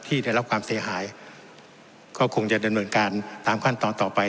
ได้รับความเสียหายก็คงจะดำเนินการตามขั้นตอนต่อไป